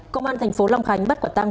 công an thành phố lâm khánh bắt quả tang